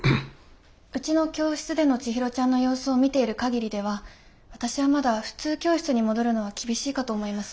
うちの教室でのちひろちゃんの様子を見ている限りでは私はまだ普通教室に戻るのは厳しいかと思います。